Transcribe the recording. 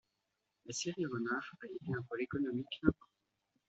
La scierie Renard a été un pôle économique important.